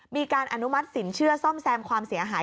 มีการอนุมัติสินเชื่อซ่อมแซมความเสียหาย